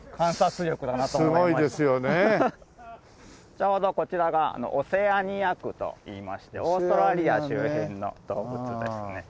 ちょうどこちらがオセアニア区といいましてオーストラリア周辺の動物ですね。